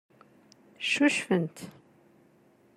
Ccucfent.